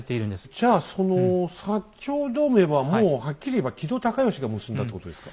じゃあその長同盟はもうはっきり言えば木戸孝允が結んだってことですか？